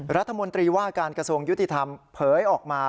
รัฐมนตรีว่าการกระทรวงยุติธรรมเผยออกมา